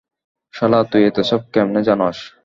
শালা, তুই এত্তসব কেমনে জানস?